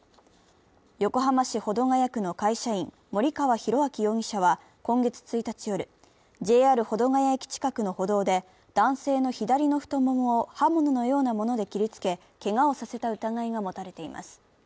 横浜市保土ケ谷区の会社員森川浩昭容疑者は今月１日夜、ＪＲ保土ケ谷駅近くの歩道で男性の左の太ももを刃物のようなもので切りつけ、けがをさせた疑いが持たれています。